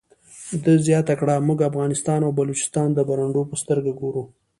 ده زیاته کړه موږ افغانستان او بلوچستان د برنډو په سترګه ګورو.